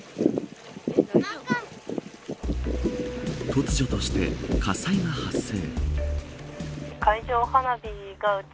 突如として火災が発生。